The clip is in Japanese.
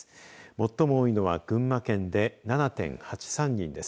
最も多いのは群馬県で７．８３人です。